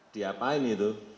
di apa ini itu